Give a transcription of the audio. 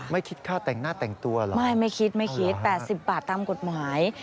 ไม่คิดค่าแต่งหน้าแต่งตัวเหรอไม่ไม่คิดไม่คิด๘๐บาทตามกฎหมาย